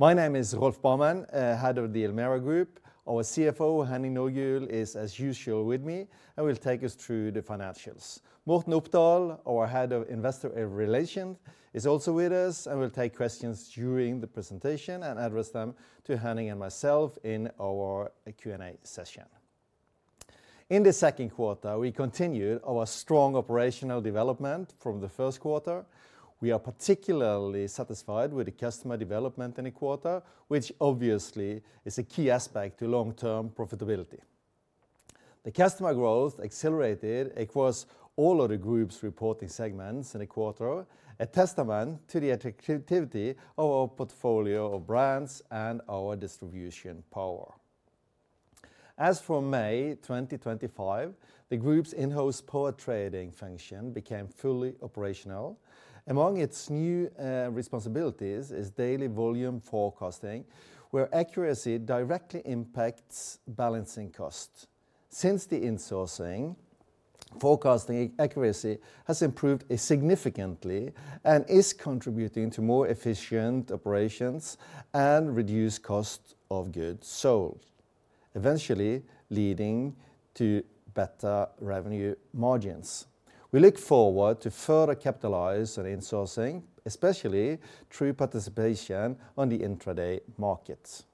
My name is Rolf Barmen, Head of the Elmera Group ASA. Our CFO, Henning Nordgulen, is as usual with me and will take us through the financials. Morten Opdal, our Head of Investor Relations, is also with us and will take questions during the presentation and address them to Henning and myself in our Q&A session. In the second quarter, we continued our strong operational development from the first quarter. We are particularly satisfied with the customer development in the quarter, which obviously is a key aspect to long-term profitability. The customer growth accelerated across all of the group's reporting segments in the quarter, a testament to the attractivity of our portfolio of brands and our distribution power. As of May 2025, the group's in-house power trading function became fully operational. Among its new responsibilities is daily volume forecasting, where accuracy directly impacts balancing costs. Since the insourcing, forecasting accuracy has improved significantly and is contributing to more efficient operations and reduced cost of goods sold, eventually leading to better revenue margins. We look forward to further capitalizing on insourcing, especially through participation on the intraday markets.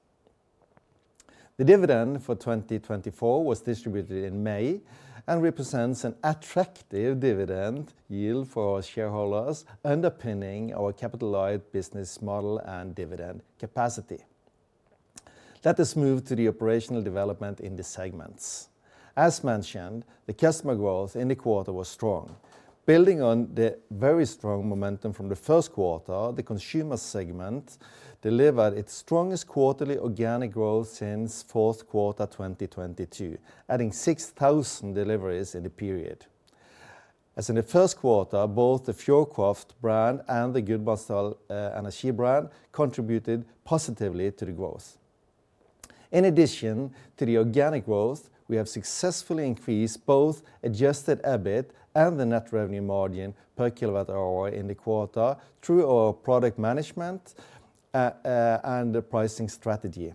The dividend for 2024 was distributed in May and represents an attractive dividend yield for our shareholders, underpinning our capitalized business model and dividend capacity. Let us move to the operational development in these segments. As mentioned, the customer growth in the quarter was strong. Building on the very strong momentum from the first quarter, the consumer segment delivered its strongest quarterly organic growth since the fourth quarter of 2022, adding 6,000 deliveries in the period. As in the first quarter, both the Fjordkraft brand and the Gudbrandsdal Energi brand contributed positively to the growth. In addition to the organic growth, we have successfully increased both adjusted EBIT and the net revenue margin per kilowatt-hour in the quarter through our product management and pricing strategy.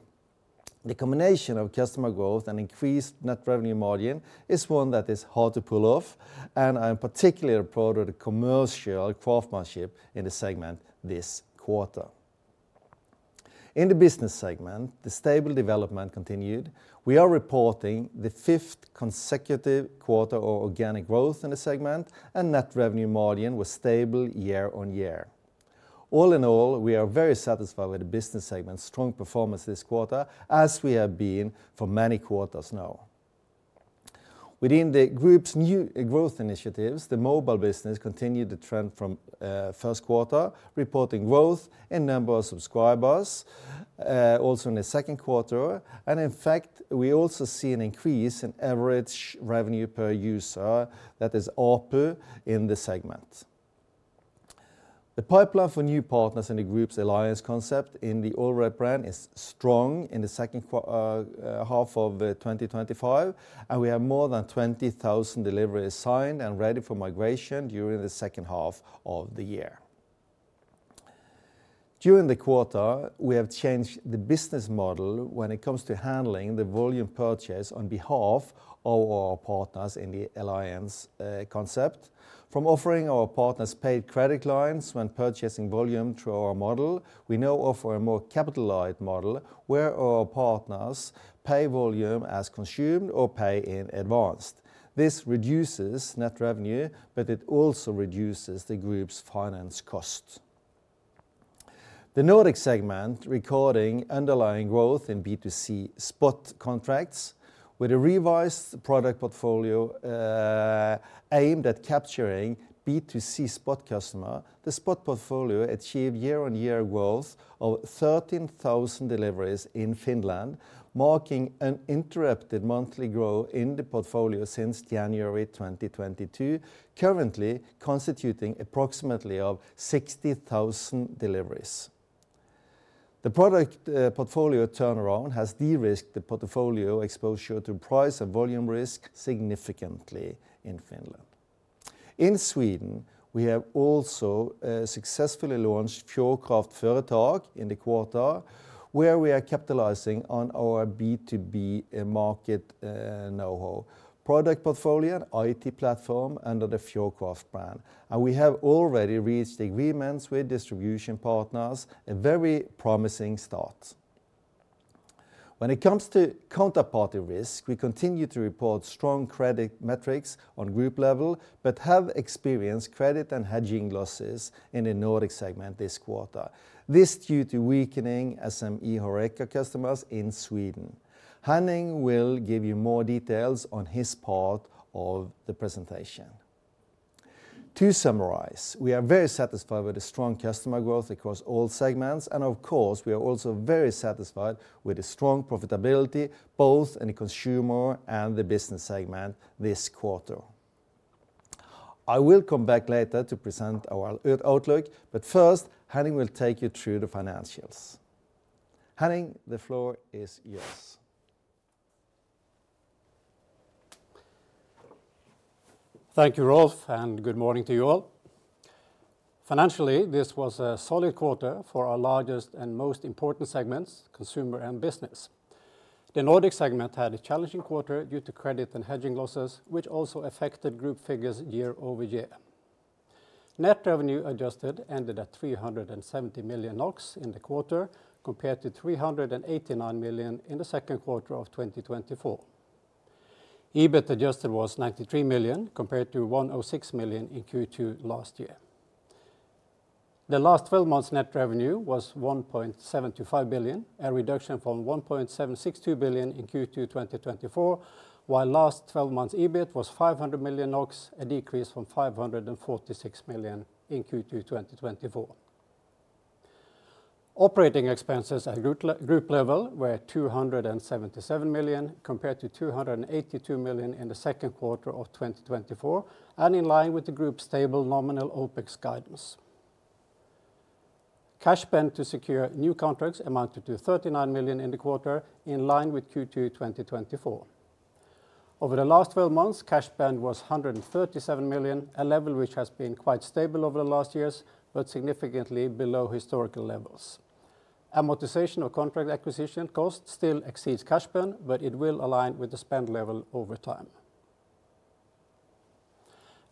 The combination of customer growth and increased net revenue margin is one that is hard to pull off, and I am particularly proud of the commercial craftsmanship in the segment this quarter. In the business segment, the stable development continued. We are reporting the fifth consecutive quarter of organic growth in the segment, and net revenue margin was stable year on year. All in all, we are very satisfied with the business segment's strong performance this quarter, as we have been for many quarters now. Within the group's new growth initiatives, the mobile business continued the trend from the first quarter, reporting growth in the number of subscribers also in the second quarter. In fact, we also see an increase in average revenue per user, that is ARPU, in the segment. The pipeline for new partners in the group's alliance concept in the Allred alliance is strong in the second half of 2025, and we have more than 20,000 deliveries signed and ready for migration during the second half of the year. During the quarter, we have changed the business model when it comes to handling the volume purchase on behalf of our partners in the alliance concept. From offering our partners paid credit clients when purchasing volume through our model, we now offer a more capitalized model where our partners pay volume as consumed or pay in advance. This reduces net revenue, but it also reduces the group's finance costs. The Nordic segment, recording underlying growth in B2C spot contracts, with a revised product portfolio aimed at capturing B2C spot customers, the spot portfolio achieved year-on-year growth of 13,000 deliveries in Finland, marking uninterrupted monthly growth in the portfolio since January 2022, currently constituting approximately 60,000 deliveries. The product portfolio turnaround has de-risked the portfolio exposure to price and volume risk significantly in Finland. In Sweden, we have also successfully launched Fjordkraft Företag in the quarter, where we are capitalizing on our B2B market know-how, product portfolio, and IT platform under the Fjordkraft brand. We have already reached agreements with distribution partners, a very promising start. When it comes to counterparty risk, we continue to report strong credit metrics on the group level, but have experienced credit and hedging losses in the Nordic segment this quarter. This is due to weakening SME Horeca customers in Sweden. Henning will give you more details on his part of the presentation. To summarize, we are very satisfied with the strong customer growth across all segments, and of course, we are also very satisfied with the strong profitability, both in the consumer and the business segment this quarter. I will come back later to present our outlook, but first, Henning will take you through the financials. Henning, the floor is yours. Thank you, Rolf, and good morning to you all. Financially, this was a solid quarter for our largest and most important segments, consumer and business. The Nordic segment had a challenging quarter due to credit risk and hedging losses, which also affected group figures year over year. Net revenue adjusted ended at 370 million NOK in the quarter, compared to 389 million in the second quarter of 2024. EBIT adjusted was 93 million, compared to 106 million in Q2 last year. The last 12 months' net revenue was 1.725 billion, a reduction from 1.762 billion in Q2 2024, while the last 12 months' EBIT was 500 million NOK, a decrease from 546 million in Q2 2024. Operating expenses at the group level were 277 million, compared to 282 million in the second quarter of 2024, and in line with the group's stable nominal OpEx guidance. Cash spend to secure new contracts amounted to 39 million in the quarter, in line with Q2 2024. Over the last 12 months, cash spend was 137 million, a level which has been quite stable over the last years, but significantly below historical levels. Amortization of contract acquisition costs still exceeds cash spend, but it will align with the spend level over time.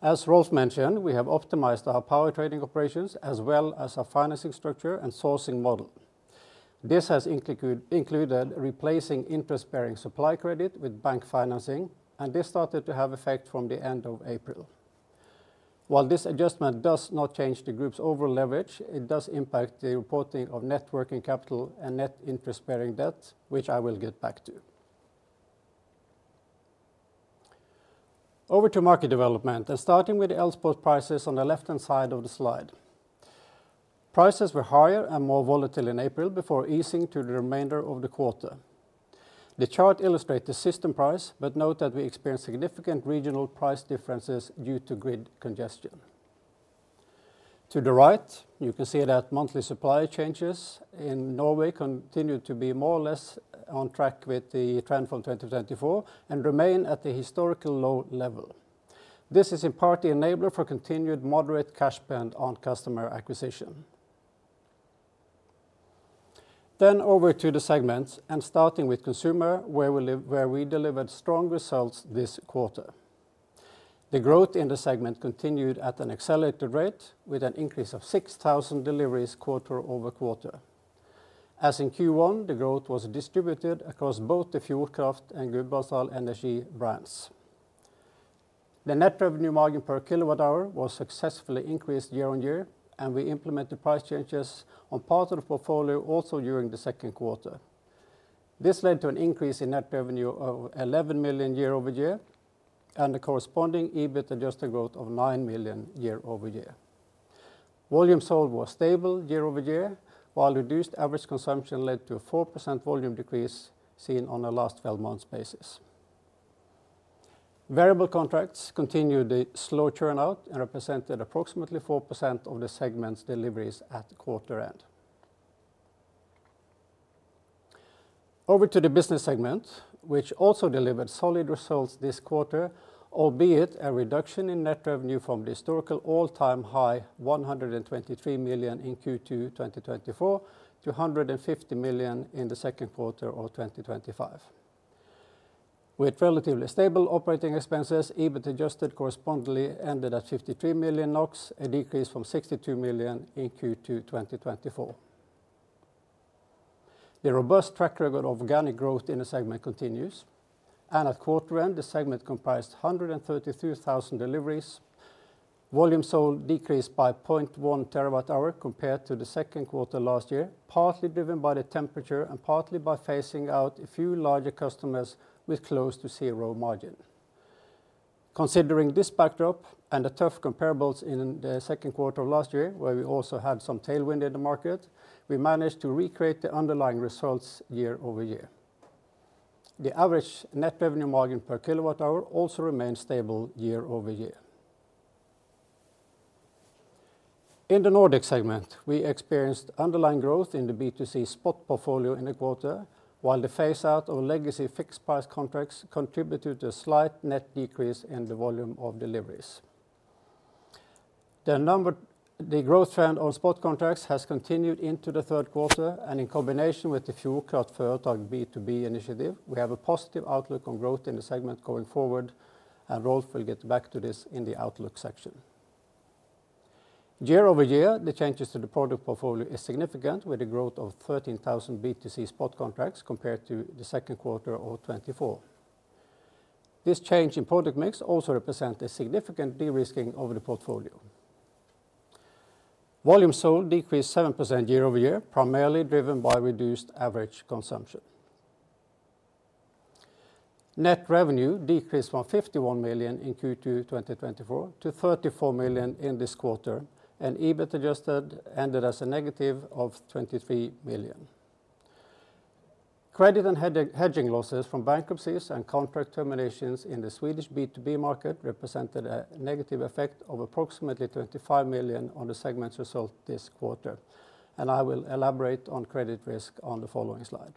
As Rolf mentioned, we have optimized our power trading function as well as our financing structure and sourcing model. This has included replacing interest-bearing supply credit with bank financing, and this started to have effect from the end of April. While this adjustment does not change the group's overall leverage, it does impact the reporting of net working capital and net interest-bearing debt, which I will get back to. Over to market development, and starting with the ELSPOT prices on the left-hand side of the slide. Prices were higher and more volatile in April before easing for the remainder of the quarter. The chart illustrates the system price, but note that we experienced significant regional price differences due to grid congestion. To the right, you can see that monthly supply changes in Norway continue to be more or less on track with the trend from 2024 and remain at the historical low level. This is in part the enabler for continued moderate cash spend on customer acquisition. Over to the segments, and starting with consumer, where we delivered strong results this quarter. The growth in the segment continued at an accelerated rate with an increase of 6,000 deliveries quarter over quarter. As in Q1, the growth was distributed across both the Fjordkraft and Gudbrandsdal Energi brands. The net revenue margin per kilowatt-hour was successfully increased year on year, and we implemented price changes on part of the portfolio also during the second quarter. This led to an increase in net revenue of 11 million year over year, and the corresponding EBIT adjusted growth of 9 million year over year. Volume sold was stable year over year, while reduced average consumption led to a 4% volume decrease seen on the last 12 months' basis. Variable contracts continued the slow turnout and represented approximately 4% of the segment's deliveries at the quarter end. Over to the business segment, which also delivered solid results this quarter, albeit a reduction in net revenue from the historical all-time high of 123 million in Q2 2024 to 150 million in the second quarter of 2025. With relatively stable operating expenses, EBIT adjusted correspondingly ended at 53 million NOK, a decrease from 62 million in Q2 2024. The robust track record of organic growth in the segment continues, and at the quarter end, the segment comprised 133,000 deliveries. Volume sold decreased by 0.1 terawatt-hour compared to the second quarter last year, partly driven by the temperature and partly by phasing out a few larger customers with close to zero margin. Considering this backdrop and the tough comparables in the second quarter of last year, where we also had some tailwind in the market, we managed to recreate the underlying results year over year. The average net revenue margin per kilowatt-hour also remains stable year over year. In the Nordic segment, we experienced underlying growth in the B2C spot portfolio in the quarter, while the phase-out of legacy fixed-price contracts contributed to a slight net decrease in the volume of deliveries. The growth trend on spot contracts has continued into the third quarter, and in combination with the Fjordkraft Företag B2B initiative, we have a positive outlook on growth in the segment going forward, and Rolf will get back to this in the outlook section. Year over year, the changes to the product portfolio are significant, with a growth of 13,000 B2C spot contracts compared to the second quarter of 2024. This change in product mix also represents a significant de-risking of the portfolio. Volume sold decreased 7% year over year, primarily driven by reduced average consumption. Net revenue decreased from 51 million in Q2 2024 to 34 million in this quarter, and EBIT adjusted ended as a negative of 23 million. Credit and hedging losses from bankruptcies and contract terminations in the Swedish B2B market represented a negative effect of approximately 25 million on the segment's results this quarter, and I will elaborate on credit risk on the following slide.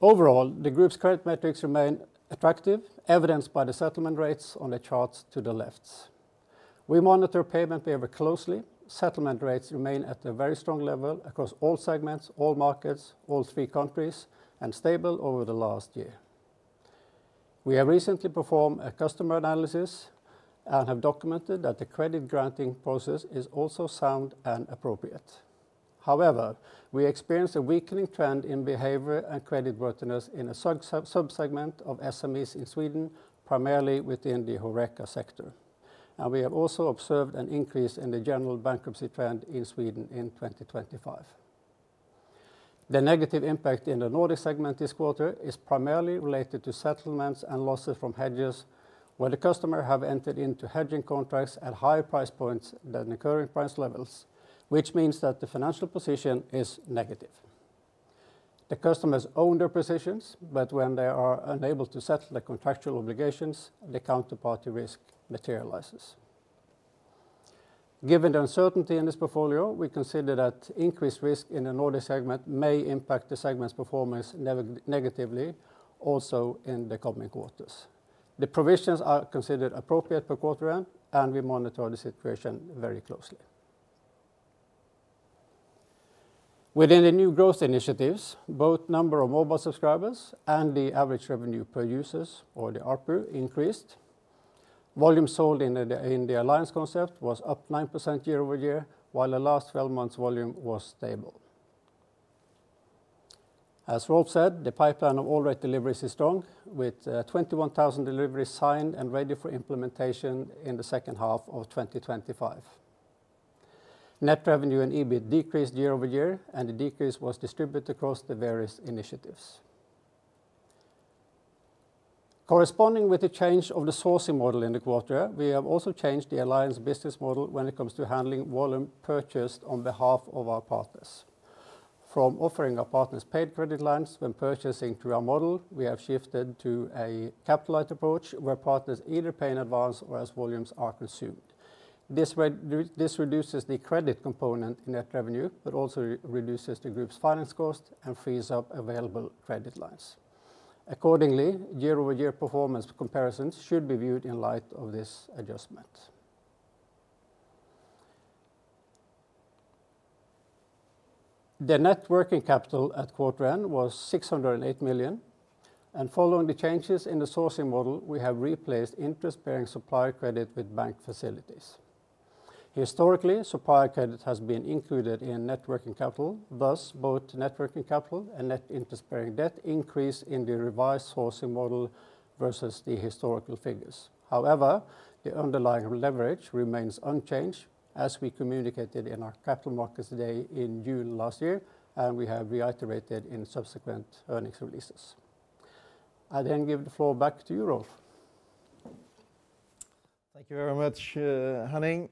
Overall, the group's credit metrics remain attractive, evidenced by the settlement rates on the charts to the left. We monitor payment behavior closely. Settlement rates remain at a very strong level across all segments, all markets, all three countries, and stable over the last year. We have recently performed a customer analysis and have documented that the credit granting process is also sound and appropriate. However, we experienced a weakening trend in behavior and credit worthiness in a subsegment of SMEs in Sweden, primarily within the Horeca sector, and we have also observed an increase in the general bankruptcy trend in Sweden in 2024. The negative impact in the Nordic segment this quarter is primarily related to settlements and losses from hedges, where the customer has entered into hedging contracts at higher price points than the current price levels, which means that the financial position is negative. The customers own their positions, but when they are unable to settle the contractual obligations, the counterparty risk materializes. Given the uncertainty in this portfolio, we consider that increased risk in the Nordic segment may impact the segment's performance negatively, also in the coming quarters. The provisions are considered appropriate per quarter end, and we monitor the situation very closely. Within the new growth initiatives, both the number of mobile subscribers and the average revenue per user, or the ARPU, increased. Volume sold in the alliance concept was up 9% year over year, while the last 12 months' volume was stable. As Rolf Barmen said, the pipeline of Allred alliance deliveries is strong, with 21,000 deliveries signed and ready for implementation in the second half of 2024. Net revenue and EBIT decreased year over year, and the decrease was distributed across the various initiatives. Corresponding with the change of the sourcing model in the quarter, we have also changed the alliance business model when it comes to handling volume purchased on behalf of our partners. From offering our partners paid credit lines when purchasing through our model, we have shifted to a capitalized approach where partners either pay in advance or as volumes are consumed. This reduces the credit component in net revenue, but also reduces the group's finance cost and frees up available credit lines. Accordingly, year-over-year performance comparisons should be viewed in light of this adjustment. The net working capital at the quarter end was 608 million, and following the changes in the sourcing model, we have replaced interest-bearing supply credit with bank facilities. Historically, supply credit has been included in net working capital. Thus, both net working capital and net interest-bearing debt increase in the revised sourcing model versus the historical figures. However, the underlying leverage remains unchanged, as we communicated in our Capital Markets Day in June last year, and we have reiterated in subsequent earnings releases. I then give the floor back to you, Rolf. Thank you very much, Henning.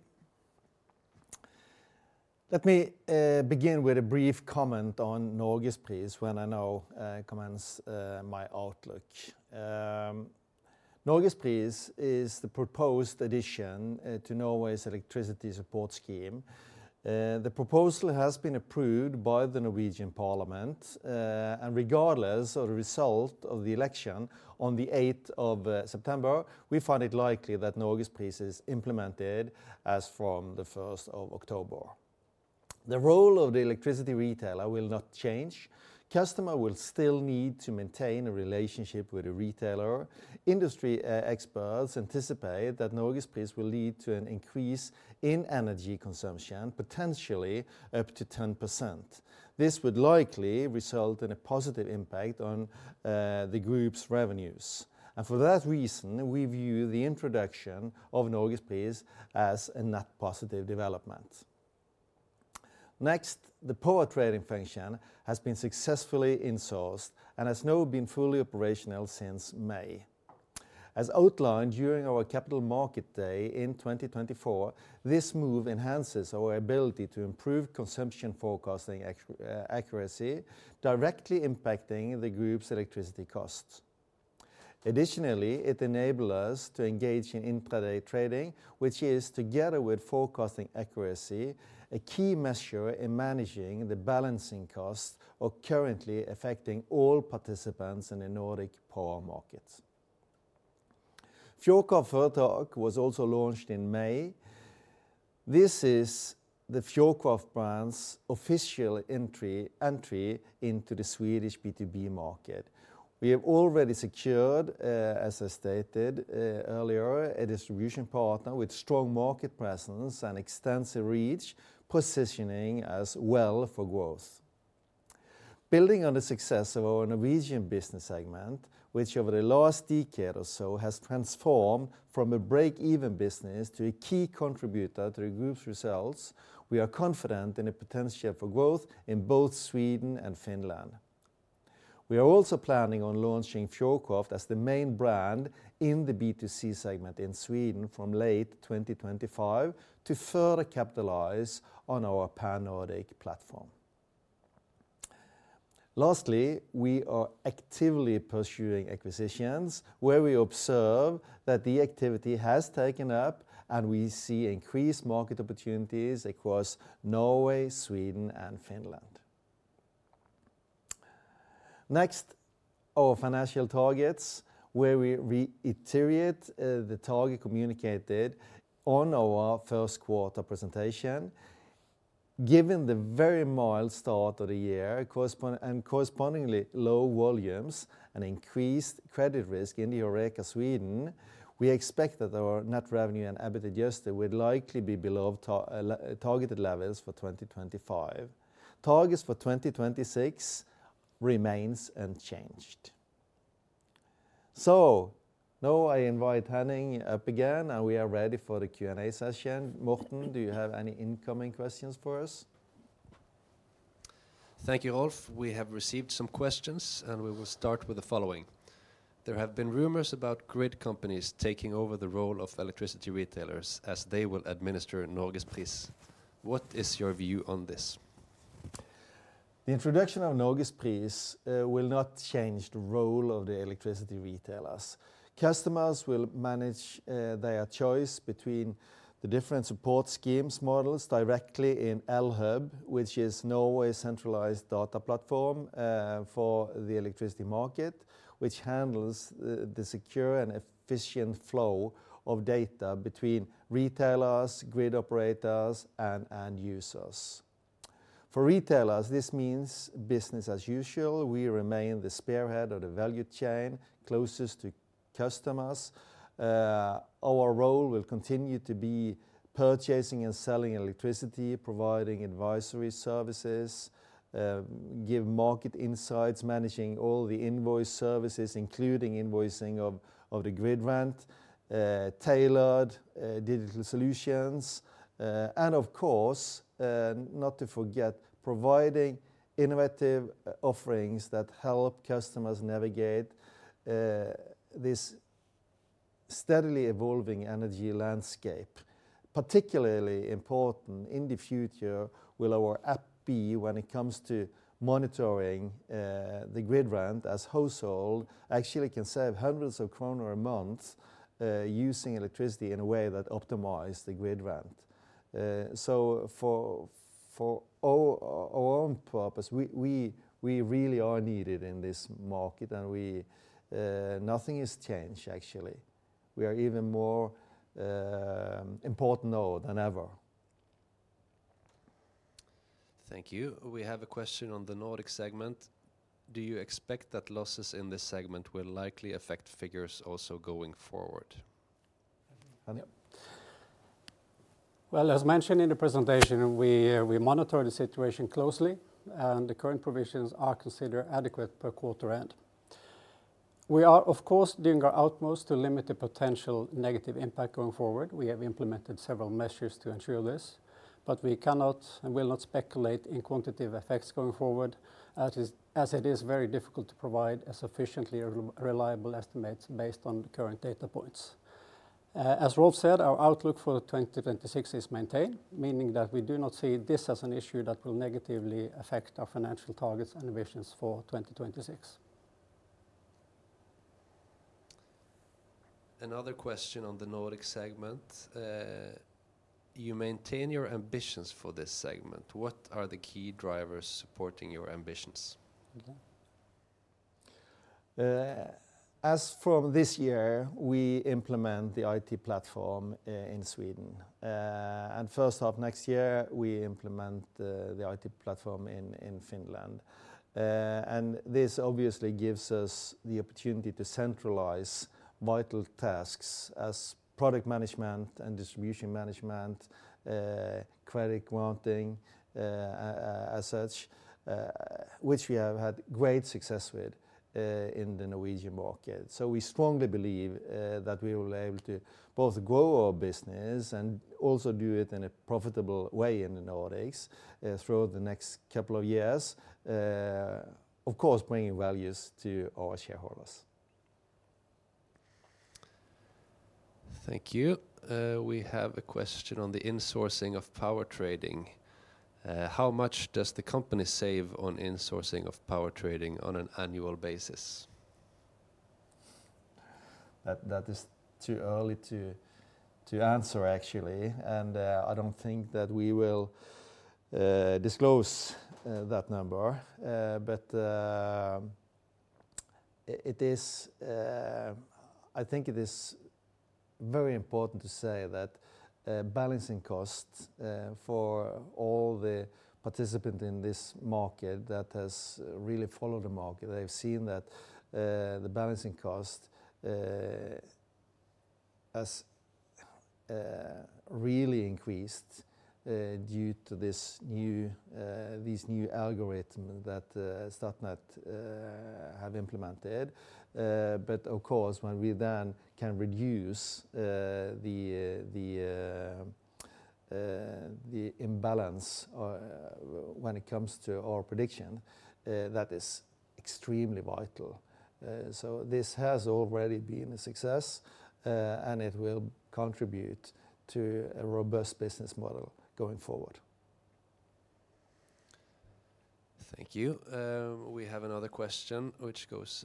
Let me begin with a brief comment on Norgespris when I now commence my outlook. Norgespris is the proposed addition to Norway's electricity support scheme. The proposal has been approved by the Norwegian Parliament, and regardless of the result of the election on the 8th of September, we find it likely that Norgespris is implemented as from the 1st of October. The role of the electricity retailer will not change. Customers will still need to maintain a relationship with the retailer. Industry experts anticipate that Norgespris will lead to an increase in energy consumption, potentially up to 10%. This would likely result in a positive impact on the group's revenues. For that reason, we view the introduction of Norgespris as a net positive development. Next, the power trading function has been successfully insourced and has now been fully operational since May. As outlined during our capital market day in 2024, this move enhances our ability to improve consumption forecasting accuracy, directly impacting the group's electricity costs. Additionally, it enables us to engage in intraday trading, which is, together with forecasting accuracy, a key measure in managing the balancing costs currently affecting all participants in the Nordic power markets. Fjordkraft Företag was also launched in May. This is the Fjordkraft brand's official entry into the Swedish B2B market. We have already secured, as I stated earlier, a distribution partner with strong market presence and extensive reach, positioning as well for growth. Building on the success of our Norwegian business segment, which over the last decade or so has transformed from a break-even business to a key contributor to the group's results, we are confident in the potential for growth in both Sweden and Finland. We are also planning on launching Fjordkraft as the main brand in the B2C segment in Sweden from late 2025 to further capitalize on our Pan-Nordic platform. Lastly, we are actively pursuing acquisitions where we observe that the activity has taken up, and we see increased market opportunities across Norway, Sweden, and Finland. Next, our financial targets, where we reiterate the target communicated on our first quarter presentation. Given the very mild start of the year and correspondingly low volumes and increased credit risk in the Horeca Sweden, we expect that our net revenue and EBIT adjusted would likely be below targeted levels for 2025. Targets for 2026 remain unchanged. Now I invite Henning up again, and we are ready for the Q&A session. Morten, do you have any incoming questions for us? Thank you, Rolf. We have received some questions, and we will start with the following. There have been rumors about grid companies taking over the role of electricity retailers as they will administer Norgespris. What is your view on this? The introduction of Norgespris will not change the role of the electricity retailers. Customers will manage their choice between the different support schemes models directly in LHub, which is Norway's centralized data platform for the electricity market, which handles the secure and efficient flow of data between retailers, grid operators, and end users. For retailers, this means business as usual. We remain the spearhead of the value chain closest to customers. Our role will continue to be purchasing and selling electricity, providing advisory services, giving market insights, managing all the invoice services, including invoicing of the grid rent, tailored digital solutions, and, of course, not to forget, providing innovative offerings that help customers navigate this steadily evolving energy landscape. Particularly important in the future will our app be when it comes to monitoring the grid rent, as a household actually can save hundreds of kroner a month using electricity in a way that optimizes the grid rent. For our own purpose, we really are needed in this market, and nothing has changed, actually. We are even more important now than ever. Thank you. We have a question on the Nordic segment. Do you expect that losses in this segment will likely affect figures also going forward? As mentioned in the presentation, we monitor the situation closely, and the current provisions are considered adequate per quarter end. We are, of course, doing our utmost to limit the potential negative impact going forward. We have implemented several measures to ensure this, but we cannot and will not speculate in quantitative effects going forward, as it is very difficult to provide sufficiently reliable estimates based on the current data points. As Rolf said, our outlook for 2026 is maintained, meaning that we do not see this as an issue that will negatively affect our financial targets and ambitions for 2026. Another question on the Nordic segment. You maintain your ambitions for this segment. What are the key drivers supporting your ambitions? As for this year, we implement the IT platform in Sweden, and first half next year, we implement the IT platform in Finland. This obviously gives us the opportunity to centralize vital tasks as product management and distribution management, credit granting, and such, which we have had great success with in the Norwegian market. We strongly believe that we will be able to both grow our business and also do it in a profitable way in the Nordics throughout the next couple of years, of course, bringing values to our shareholders. Thank you. We have a question on the insourcing of power trading. How much does the company save on insourcing of power trading on an annual basis? That is too early to answer, actually, and I don't think that we will disclose that number, but I think it is very important to say that balancing costs for all the participants in this market that have really followed the market, they've seen that the balancing cost has really increased due to these new algorithms that Statnett has implemented. Of course, when we then can reduce the imbalance when it comes to our prediction, that is extremely vital. This has already been a success, and it will contribute to a robust business model going forward. Thank you. We have another question which goes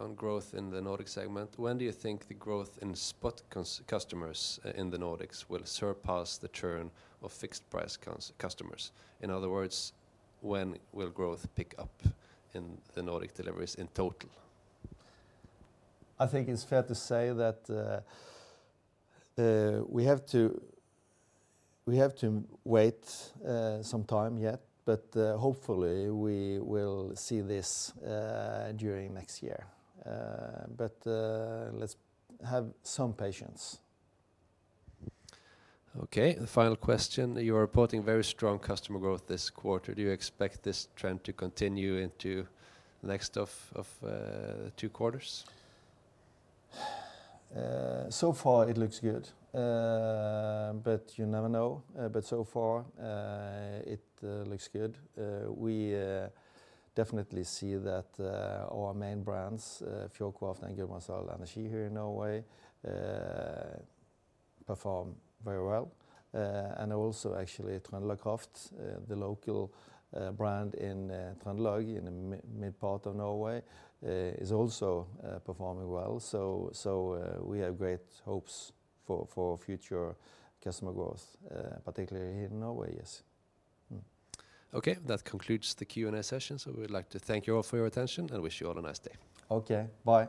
on growth in the Nordic segment. When do you think the growth in spot customers in the Nordics will surpass the churn of fixed-price customers? In other words, when will growth pick up in the Nordic deliveries in total? I think it's fair to say that we have to wait some time yet, hopefully we will see this during next year. Let's have some patience. Okay, the final question. You're reporting very strong customer growth this quarter. Do you expect this trend to continue into the next two quarters? So far, it looks good, you never know. So far, it looks good. We definitely see that our main brands, Fjordkraft and Gudbrandsen Energi here in Norway, perform very well. Actually, Trøndelag Kraft, the local brand in Trøndelag in the mid-part of Norway, is also performing well. We have great hopes for future customer growth, particularly in Norway. Okay, that concludes the Q&A session. We would like to thank you all for your attention and wish you all a nice day. Okay, bye.